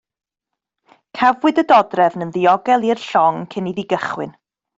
Cafwyd y dodrefn yn ddiogel i'r llong cyn iddi gychwyn.